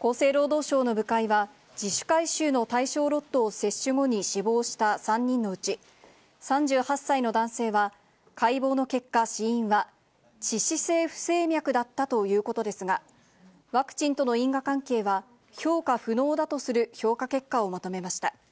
厚生労働省の部会は、自主回収の対象ロットを接種後に死亡した３人のうち、３８歳の男性は、解剖の結果、死因は致死性不整脈だったということですが、ワクチンとの因果関係は評価不能だとする評価結果をまとめました。